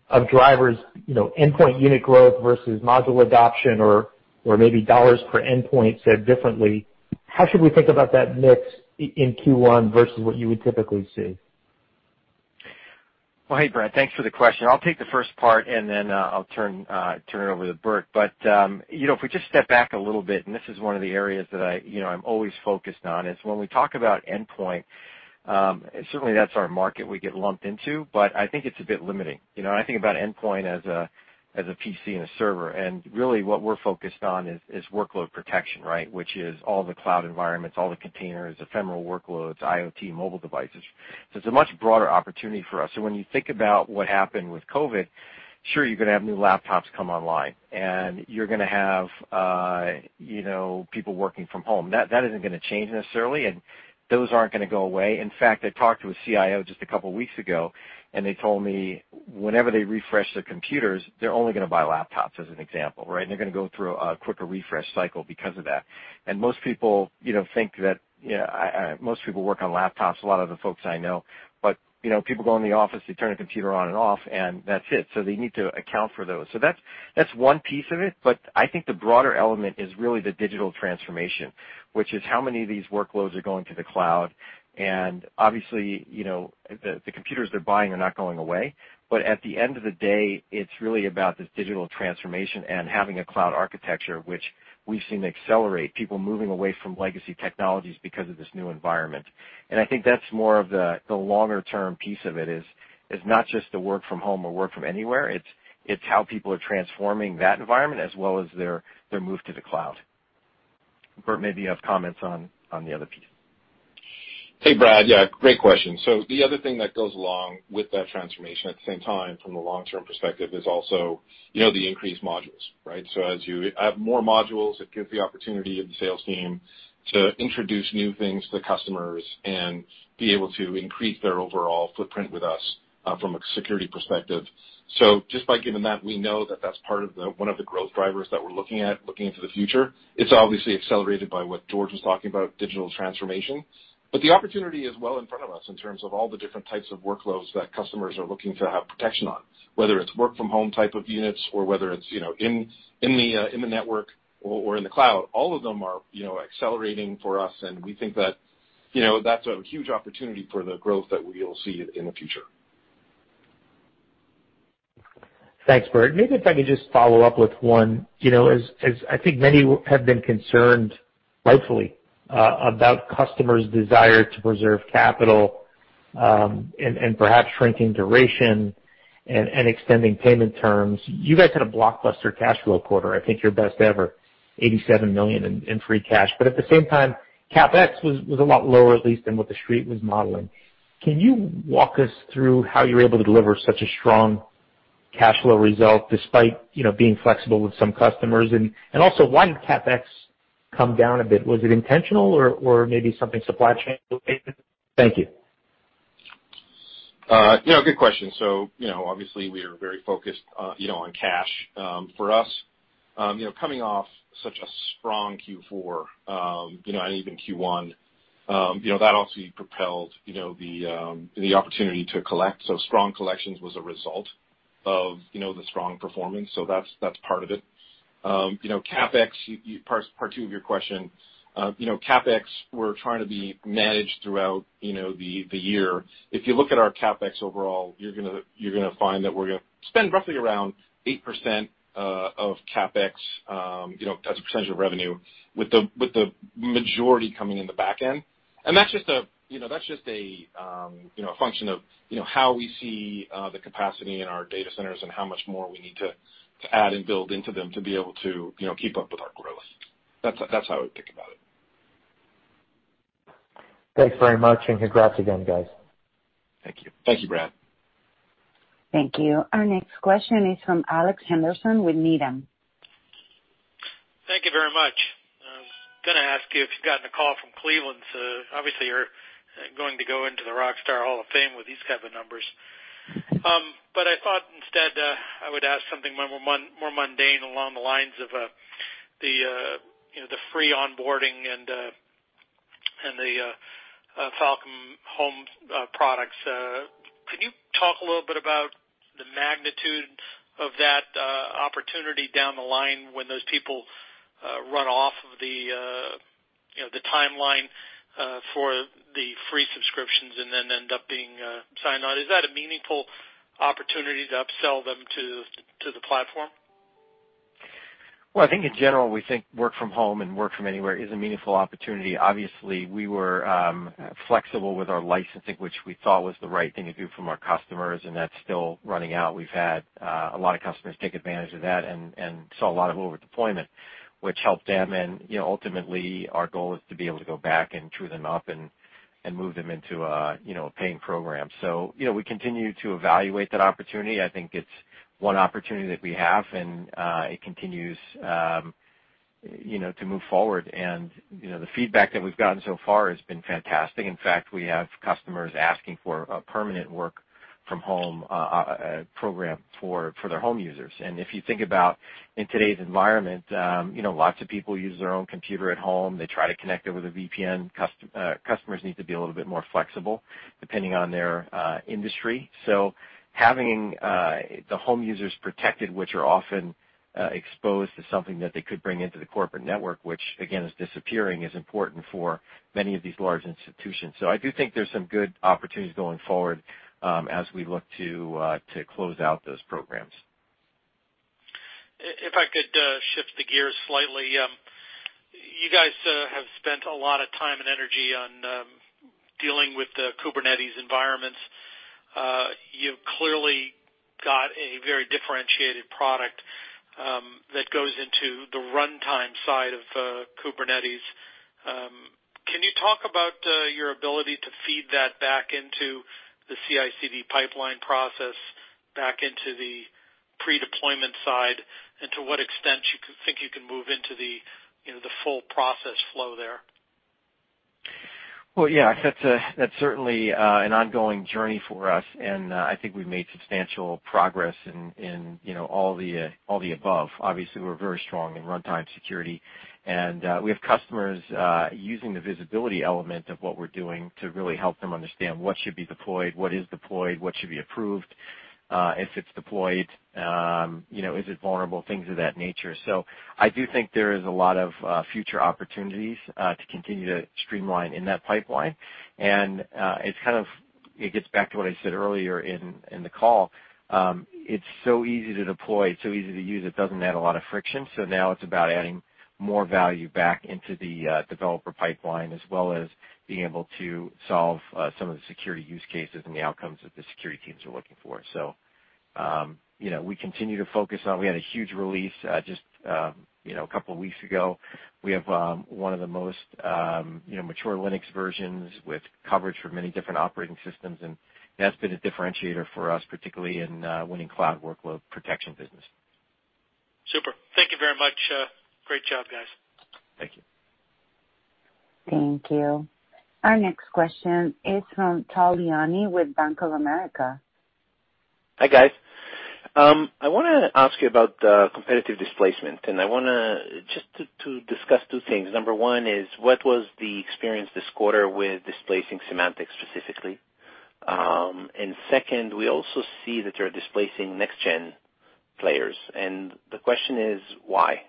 of drivers, endpoint unit growth versus module adoption or maybe dollars per endpoint said differently, how should we think about that mix in Q1 versus what you would typically see? Hey, Brad. Thanks for the question. I'll take the first part, and then I'll turn it over to Burt. If we just step back a little bit, and this is one of the areas that I'm always focused on, is when we talk about endpoint, certainly that's our market we get lumped into, but I think it's a bit limiting. I think about endpoint as a PC and a server, and really what we're focused on is workload protection, right? Which is all the cloud environments, all the containers, ephemeral workloads, IoT mobile devices. It's a much broader opportunity for us. When you think about what happened with COVID-19, sure, you're going to have new laptops come online, and you're going to have people working from home. That isn't going to change necessarily, and those aren't going to go away. In fact, I talked to a CIO just a couple of weeks ago, they told me, whenever they refresh their computers, they're only going to buy laptops, as an example, right? They're going to go through a quicker refresh cycle because of that. Most people work on laptops, a lot of the folks I know. People go in the office, they turn a computer on and off, and that's it. They need to account for those. That's one piece of it. I think the broader element is really the digital transformation, which is how many of these workloads are going to the cloud, and obviously, the computers they're buying are not going away. At the end of the day, it's really about this digital transformation and having a cloud architecture, which we've seen accelerate. People moving away from legacy technologies because of this new environment. I think that's more of the longer-term piece of it is, it's not just the work from home or work from anywhere, it's how people are transforming that environment as well as their move to the cloud. Burt, maybe you have comments on the other piece. Hey, Brad. Yeah, great question. The other thing that goes along with that transformation at the same time from the long-term perspective is also the increased modules, right? As you have more modules, it gives the opportunity of the sales team to introduce new things to the customers and be able to increase their overall footprint with us, from a security perspective. Just by giving that, we know that that's one of the growth drivers that we're looking at looking into the future. It's obviously accelerated by what George was talking about, digital transformation. The opportunity is well in front of us in terms of all the different types of workloads that customers are looking to have protection on, whether it's work from home type of units or whether it's in the network or in the cloud. All of them are accelerating for us, and we think that that's a huge opportunity for the growth that we'll see in the future. Thanks, Burt. Maybe if I could just follow up with one. As I think many have been concerned, rightfully, about customers' desire to preserve capital, and perhaps shrinking duration and extending payment terms. You guys had a blockbuster cash flow quarter, I think your best ever, $87 million in free cash. At the same time, CapEx was a lot lower at least than what the Street was modeling. Can you walk us through how you were able to deliver such a strong cash flow result despite being flexible with some customers. Also, why did CapEx come down a bit? Was it intentional or maybe something supply chain related? Thank you. Good question. Obviously, we are very focused on cash. For us, coming off such a strong Q4, and even Q1, that obviously propelled the opportunity to collect. Strong collections was a result of the strong performance, so that's part of it. Part two of your question, CapEx, we're trying to be managed throughout the year. If you look at our CapEx overall, you're going to find that we're going to spend roughly around 8% of CapEx as a percentage of revenue, with the majority coming in the back end. That's just a function of how we see the capacity in our data centers and how much more we need to add and build into them to be able to keep up with our growth. That's how I would think about it. Thanks very much, and congrats again, guys. Thank you. Thank you, Brad. Thank you. Our next question is from Alex Henderson with Needham. Thank you very much. I was going to ask you if you've gotten a call from Cleveland. Obviously you're going to go into the Rockstar Hall of Fame with these kinds of numbers. I thought instead I would ask something more mundane along the lines of the free onboarding and the Falcon home products. Could you talk a little bit about the magnitude of that opportunity down the line when those people run off of the timeline for the free subscriptions and then end up being signed on? Is that a meaningful opportunity to upsell them to the platform? I think in general, we think work from home and work from anywhere is a meaningful opportunity. Obviously, we were flexible with our licensing, which we thought was the right thing to do from our customers, and that's still running out. We've had a lot of customers take advantage of that and saw a lot of over-deployment, which helped them. Ultimately our goal is to be able to go back and true them up and move them into a paying program. We continue to evaluate that opportunity. I think it's one opportunity that we have, and it continues to move forward. The feedback that we've gotten so far has been fantastic. In fact, we have customers asking for a permanent work-from-home program for their home users. If you think about in today's environment, lots of people use their own computer at home. They try to connect over the VPN. Customers need to be a little bit more flexible depending on their industry. Having the home users protected, which are often exposed to something that they could bring into the corporate network, which again is disappearing, is important for many of these large institutions. I do think there's some good opportunities going forward as we look to close out those programs. If I could shift the gears slightly. You guys have spent a lot of time and energy on dealing with the Kubernetes environments. You've clearly got a very differentiated product that goes into the runtime side of Kubernetes. Can you talk about your ability to feed that back into the CI/CD pipeline process, back into the pre-deployment side, and to what extent you think you can move into the full process flow there? Well, yeah. That's certainly an ongoing journey for us, and I think we've made substantial progress in all the above. Obviously, we're very strong in runtime security, and we have customers using the visibility element of what we're doing to really help them understand what should be deployed, what is deployed, what should be approved. If it's deployed, is it vulnerable, things of that nature. I do think there is a lot of future opportunities to continue to streamline in that pipeline. It gets back to what I said earlier in the call. It's so easy to deploy, it's so easy to use. It doesn't add a lot of friction. Now it's about adding more value back into the developer pipeline, as well as being able to solve some of the security use cases and the outcomes that the security teams are looking for. We had a huge release just a couple of weeks ago. We have one of the most mature Linux versions with coverage for many different operating systems, and that's been a differentiator for us, particularly in winning cloud workload protection business. Super. Thank you very much. Great job, guys. Thank you. Thank you. Our next question is from Tal Liani with Bank of America. Hi, guys. I want to ask you about competitive displacement, and I want just to discuss two things. Number one is what was the experience this quarter with displacing Symantec specifically? Second, we also see that you're displacing next-gen players, and the question is why?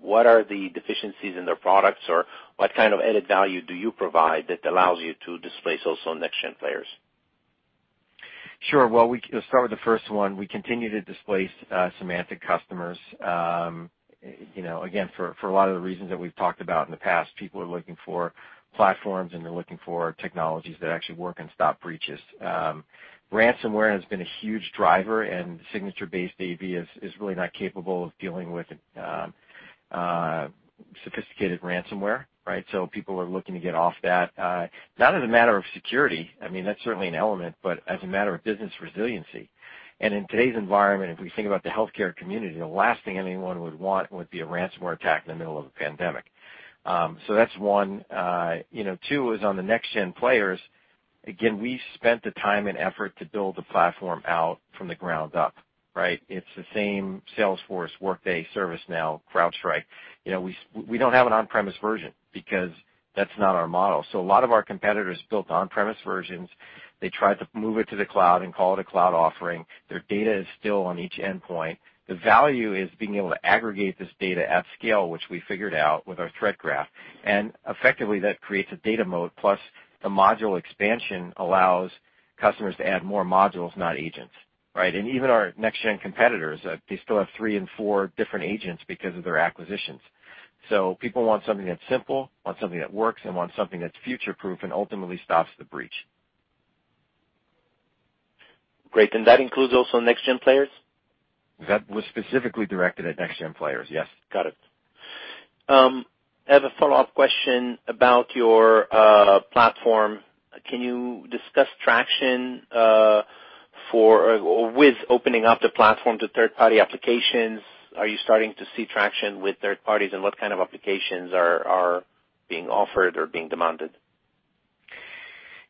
What are the deficiencies in their products, or what kind of added value do you provide that allows you to displace also next-gen players? Sure. Well, we can start with the first one. We continue to displace Symantec customers. For a lot of the reasons that we've talked about in the past, people are looking for platforms, and they're looking for technologies that actually work and stop breaches. Ransomware has been a huge driver, and signature-based AV is really not capable of dealing with it. Sophisticated ransomware, right? People are looking to get off that, not as a matter of security, I mean, that's certainly an element, but as a matter of business resiliency. In today's environment, if we think about the healthcare community, the last thing anyone would want would be a ransomware attack in the middle of a pandemic. That's one. Two is on the next-gen players. We spent the time and effort to build the platform out from the ground up, right? It's the same Salesforce, Workday, ServiceNow, CrowdStrike. We don't have an on-premise version because that's not our model. A lot of our competitors built on-premise versions. They tried to move it to the cloud and call it a cloud offering. Their data is still on each endpoint. The value is being able to aggregate this data at scale, which we figured out with our Threat Graph. Effectively, that creates a data moat plus the module expansion allows customers to add more modules, not agents, right? Even our next-gen competitors, they still have three and four different agents because of their acquisitions. People want something that's simple, want something that works, and want something that's future-proof and ultimately stops the breach. Great. That includes also next-gen players? That was specifically directed at next-gen players. Yes. Got it. I have a follow-up question about your platform. Can you discuss traction with opening up the platform to third-party applications? Are you starting to see traction with third parties, and what kind of applications are being offered or being demanded?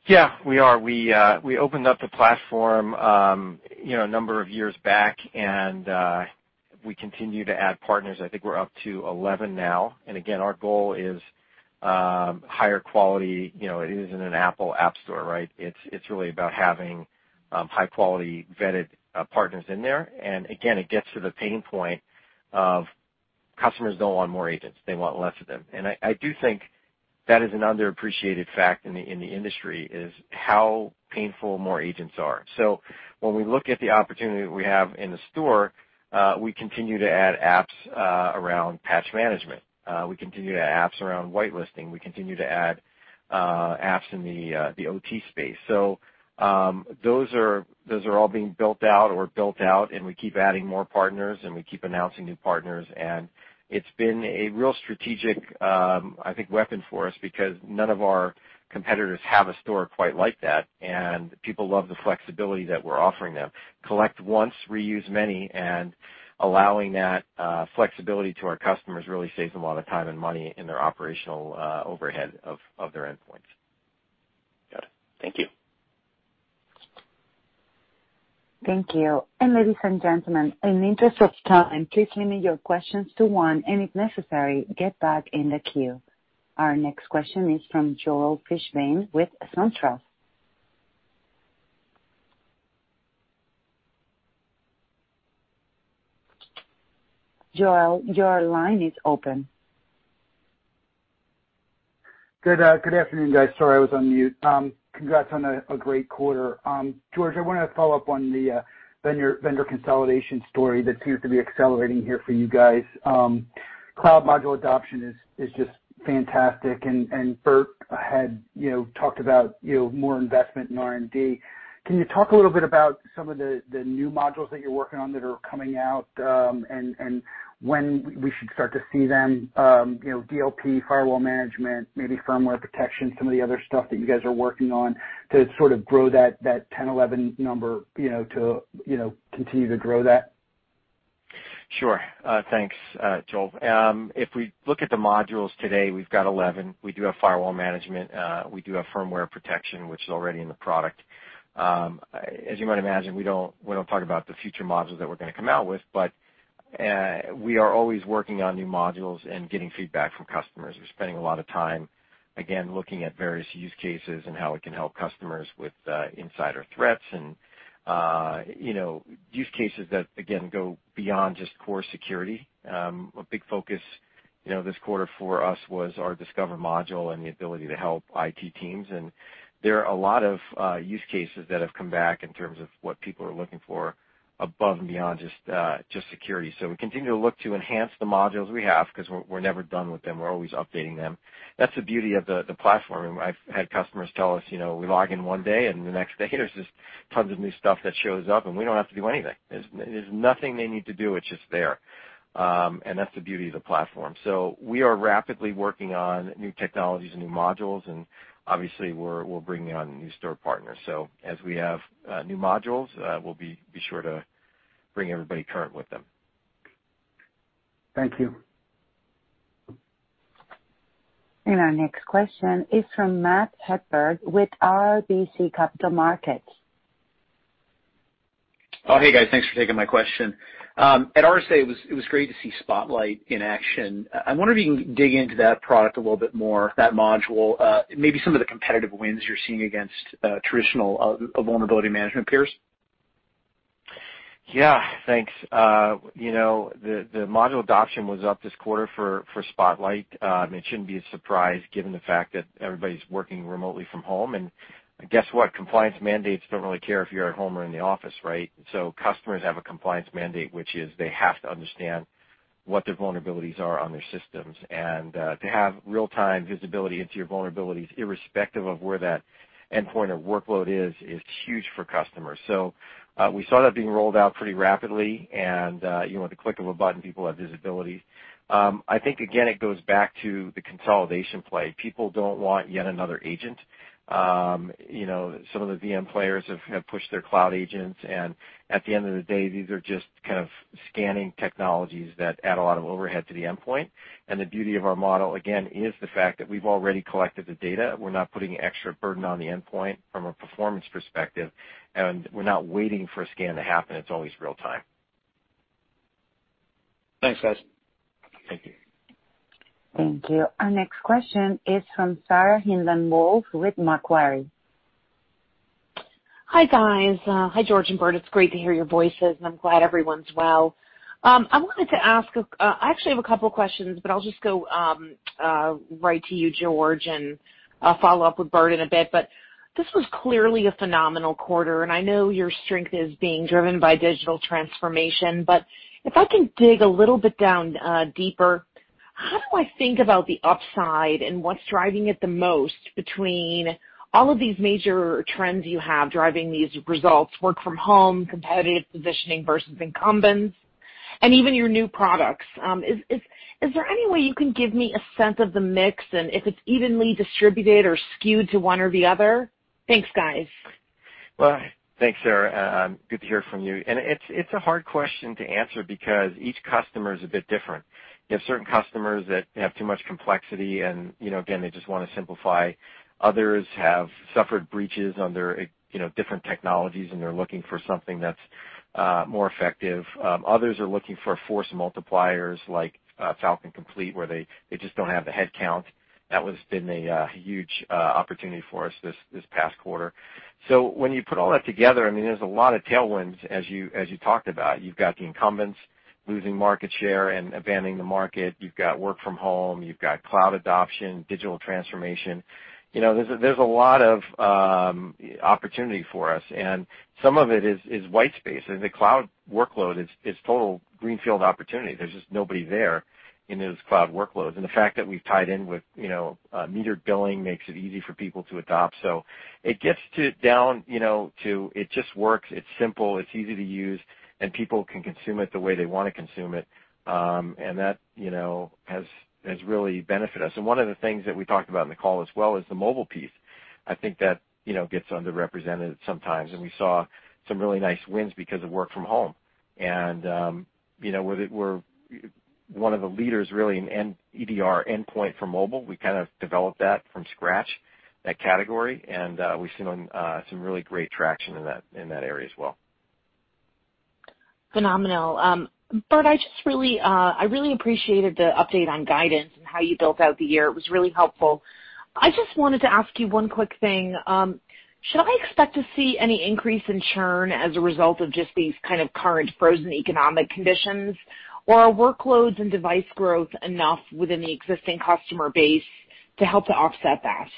Yeah. We are. We opened up the platform a number of years back. We continue to add partners. I think we're up to 11 now. Again, our goal is higher quality. It isn't an Apple App Store, right? It's really about having high-quality vetted partners in there. Again, it gets to the pain point of customers don't want more agents. They want less of them. I do think that is an underappreciated fact in the industry is how painful more agents are. When we look at the opportunity that we have in the store, we continue to add apps around patch management. We continue to add apps around whitelisting. We continue to add apps in the OT space. Those are all being built out or built out. We keep adding more partners. We keep announcing new partners. It's been a real strategic, I think, weapon for us because none of our competitors have a store quite like that. People love the flexibility that we're offering them. Collect once, reuse many. Allowing that flexibility to our customers really saves them a lot of time and money in their operational overhead of their endpoints. Got it. Thank you. Thank you. Ladies and gentlemen, in the interest of time, please limit your questions to one, and if necessary, get back in the queue. Our next question is from Joel Fishbein with SunTrust. Joel, your line is open. Good afternoon, guys. Sorry, I was on mute. Congrats on a great quarter. George, I wanted to follow up on the vendor consolidation story that seems to be accelerating here for you guys. Cloud module adoption is just fantastic, and Burt had talked about more investment in R&D. Can you talk a little bit about some of the new modules that you're working on that are coming out, and when we should start to see them? DLP, firewall management, maybe firmware protection, some of the other stuff that you guys are working on to sort of grow that 10, 11 number, to continue to grow that. Sure. Thanks, Joel. If we look at the modules today, we've got 11. We do have firewall management. We do have firmware protection, which is already in the product. As you might imagine, we don't talk about the future modules that we're going to come out with. We are always working on new modules and getting feedback from customers. We're spending a lot of time, again, looking at various use cases and how we can help customers with insider threats and use cases that, again, go beyond just core security. A big focus this quarter for us was our Discover module and the ability to help IT teams. There are a lot of use cases that have come back in terms of what people are looking for above and beyond just security. We continue to look to enhance the modules we have because we're never done with them. We're always updating them. That's the beauty of the platform. I've had customers tell us, "We log in one day and the next day there's just tons of new stuff that shows up and we don't have to do anything." There's nothing they need to do. It's just there. That's the beauty of the platform. We are rapidly working on new technologies and new modules, and obviously we're bringing on new store partners. As we have new modules, we'll be sure to bring everybody current with them. Thank you. Our next question is from Matt Hedberg with RBC Capital Markets. Oh, hey guys, thanks for taking my question. At RSA, it was great to see Spotlight in action. I wonder if you can dig into that product a little bit more, that module, maybe some of the competitive wins you're seeing against traditional vulnerability management peers. Yeah, thanks. The module adoption was up this quarter for Spotlight. It shouldn't be a surprise given the fact that everybody's working remotely from home. Guess what? Compliance mandates don't really care if you're at home or in the office, right? Customers have a compliance mandate, which is they have to understand what their vulnerabilities are on their systems. To have real-time visibility into your vulnerabilities, irrespective of where that endpoint or workload is huge for customers. We saw that being rolled out pretty rapidly, and at the click of a button, people have visibility. I think, again, it goes back to the consolidation play. People don't want yet another agent. Some of the VM players have pushed their cloud agents, and at the end of the day, these are just kind of scanning technologies that add a lot of overhead to the endpoint. The beauty of our model, again, is the fact that we've already collected the data. We're not putting extra burden on the endpoint from a performance perspective, and we're not waiting for a scan to happen. It's always real time. Thanks, guys. Thank you. Thank you. Our next question is from Sarah Hindlian-Bowler with Macquarie. Hi, guys. Hi, George and Burt. It's great to hear your voices, and I'm glad everyone's well. I actually have a couple questions, but I'll just go right to you, George, and follow up with Burt in a bit. This was clearly a phenomenal quarter, and I know your strength is being driven by digital transformation, but if I can dig a little bit down deeper, how do I think about the upside and what's driving it the most between all of these major trends you have driving these results, work from home, competitive positioning versus incumbents, and even your new products? Is there any way you can give me a sense of the mix and if it's evenly distributed or skewed to one or the other? Thanks, guys. Well, thanks, Sarah. Good to hear from you. It's a hard question to answer because each customer is a bit different. You have certain customers that have too much complexity, and again, they just want to simplify. Others have suffered breaches on their different technologies, and they're looking for something that's more effective. Others are looking for force multipliers like Falcon Complete, where they just don't have the headcount. That one's been a huge opportunity for us this past quarter. When you put all that together, there's a lot of tailwinds as you talked about. You've got the incumbents losing market share and abandoning the market. You've got work from home. You've got cloud adoption, digital transformation. There's a lot of opportunity for us, and some of it is white space. The cloud workload is total greenfield opportunity. There's just nobody there in those cloud workloads. The fact that we've tied in with metered billing makes it easy for people to adopt. It gets down to it just works, it's simple, it's easy to use, and people can consume it the way they want to consume it. That has really benefited us. One of the things that we talked about in the call as well is the mobile piece. I think that gets underrepresented sometimes, and we saw some really nice wins because of work from home. We're one of the leaders, really, in EDR endpoint for mobile. We kind of developed that from scratch, that category, and we've seen some really great traction in that area as well. Phenomenal. Burt, I really appreciated the update on guidance and how you built out the year. It was really helpful. I just wanted to ask you one quick thing. Should I expect to see any increase in churn as a result of just these kind of current frozen economic conditions? Are workloads and device growth enough within the existing customer base to help to offset that?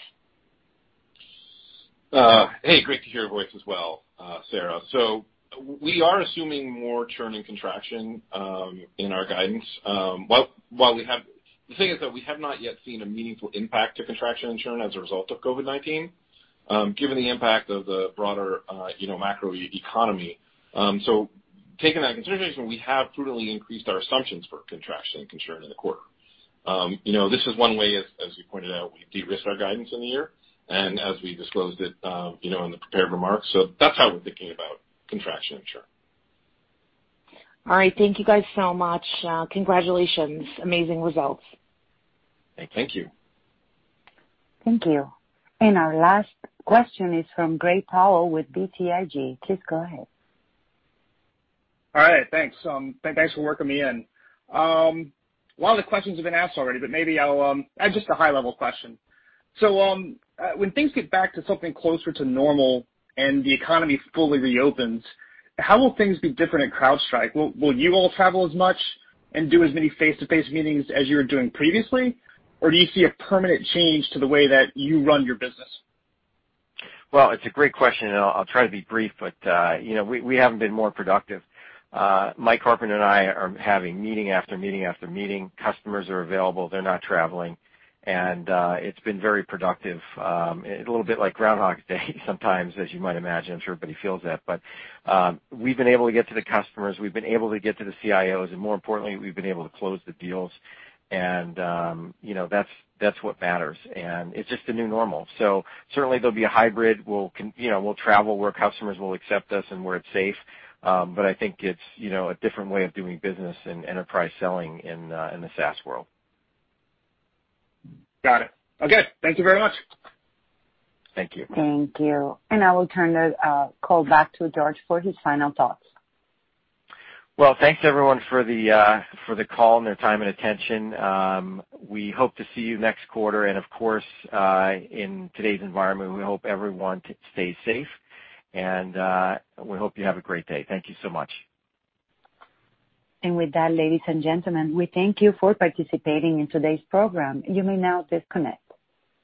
Hey, great to hear your voice as well, Sarah. We are assuming more churn and contraction in our guidance. The thing is that we have not yet seen a meaningful impact to contraction and churn as a result of COVID-19, given the impact of the broader macro economy. Taking that into consideration, we have prudently increased our assumptions for contraction and churn in the quarter. This is one way, as we pointed out, we de-risk our guidance in the year and as we disclosed it in the prepared remarks. That's how we're thinking about contraction and churn. All right. Thank you guys so much. Congratulations. Amazing results. Thank you. Thank you. Thank you. Our last question is from Gray Powell with BTIG. Please go ahead. All right. Thanks. Thanks for working me in. A lot of the questions have been asked already, but maybe I'll add just a high-level question. When things get back to something closer to normal and the economy fully reopens, how will things be different at CrowdStrike? Will you all travel as much and do as many face-to-face meetings as you were doing previously? Do you see a permanent change to the way that you run your business? Well, it's a great question, and I'll try to be brief, but we haven't been more productive. Mike Carpenter and I are having meeting after meeting after meeting. Customers are available. They're not traveling. It's been very productive. A little bit like Groundhog Day sometimes, as you might imagine. I'm sure everybody feels that. We've been able to get to the customers, we've been able to get to the CIOs, and more importantly, we've been able to close the deals. That's what matters. It's just the new normal. Certainly there'll be a hybrid. We'll travel where customers will accept us and where it's safe. I think it's a different way of doing business and enterprise selling in the SaaS world. Got it. Okay. Thank you very much. Thank you. Thank you. I will turn the call back to George for his final thoughts. Well, thanks everyone for the call and their time and attention. We hope to see you next quarter. Of course, in today's environment, we hope everyone stays safe. We hope you have a great day. Thank you so much. With that, ladies and gentlemen, we thank you for participating in today's program. You may now disconnect.